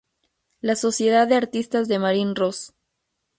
La Sociedad de Artistas de Marin Ross.